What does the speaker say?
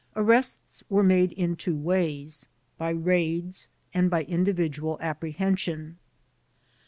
Arrests were made in two ways — ^by raids and by in dividual apprehension.